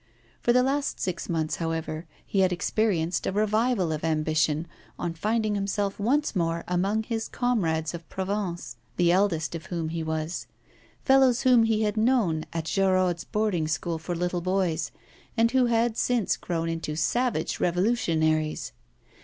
For the last six months, however, he had experienced a revival of ambition, on finding himself once more among his comrades of Provence, the eldest of whom he was fellows whom he had known at Geraud's boarding school for little boys, and who had since grown into savage revolutionaries.